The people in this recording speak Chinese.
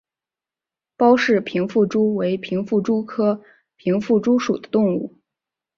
包氏平腹蛛为平腹蛛科平腹蛛属的动物。